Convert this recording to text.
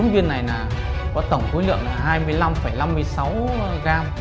bốn viên này có tổng khối lượng là hai mươi năm năm mươi sáu gram